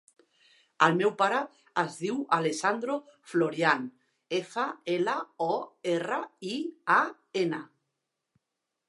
El meu pare es diu Alessandro Florian: efa, ela, o, erra, i, a, ena.